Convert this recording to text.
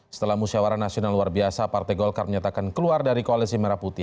setelah musyawara nasional luar biasa partai golkar menyatakan keluar dari koalisi merah putih